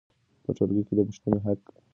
په ټولګي کې د پوښتنې حق سته.